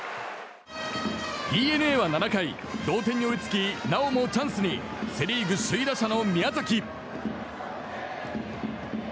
ＤｅＮＡは７回同点に追いつきなおもチャンスにセ・リーグ首位打者の宮崎。